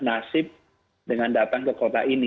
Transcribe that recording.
nasib dengan datang ke kota ini